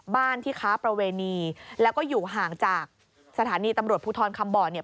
บ้านที่ค้าประเวณีแล้วก็อยู่ห่างจากสถานีตำรวจภูทรคำบ่อเนี่ย